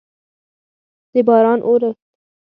د باران اورښت